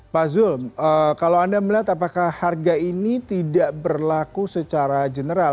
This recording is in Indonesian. pak zul kalau anda melihat apakah harga ini tidak berlaku secara general